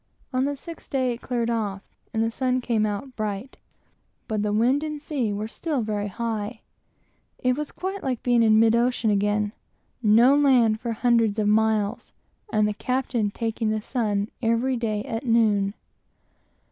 On the sixth day it cleared off, and the sun came out bright, but the wind and sea were still very high. It was quite like being at sea again: no land for hundreds of miles, and the captain taking the sun every day at noon.